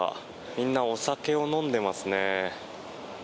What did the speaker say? みんな、お酒を飲んでますね。